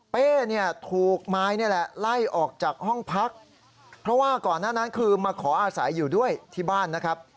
เนี่ยถูกมายนี่แหละไล่ออกจากห้องพักเพราะว่าก่อนหน้านั้นคือมาขออาศัยอยู่ด้วยที่บ้านนะครับ